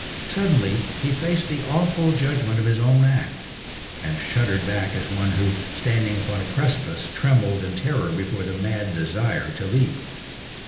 Suddenly he faced the awful judgment of his own act, and shuddered back as one who, standing upon a precipice, trembles in terror before the mad desire to leap.